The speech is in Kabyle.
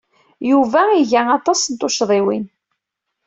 Yuba iga aṭas n tuccḍiwin.